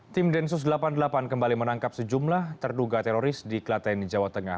tim densus delapan puluh delapan kembali menangkap sejumlah terduga teroris di klaten jawa tengah